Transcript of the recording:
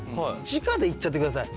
直でいっちゃってください。